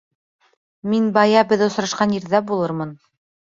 Мин бая беҙ осрашҡан ерҙә булырмын.